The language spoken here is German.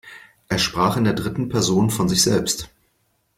Er sprach in der dritten Person von sich selbst.